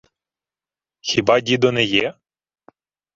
— Хіба дідо не є?